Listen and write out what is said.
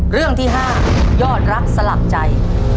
เรื่องที่๕ยอดรักสลักใจ